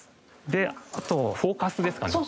であとフォーカスですかね？